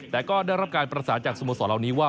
แต่ก็ได้รับการประสานจากสโมสรเหล่านี้ว่า